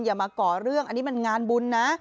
อย่ามาก่อเรื่องอันนี้มันงานบุญนะ